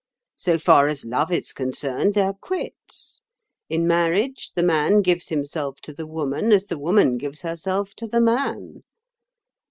So far as love is concerned, they are quits. In marriage, the man gives himself to the woman as the woman gives herself to the man.